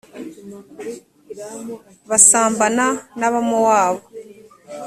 basambana n abamowabu